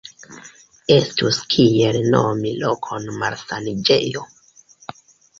Estus kiel nomi lokon malsaniĝejo.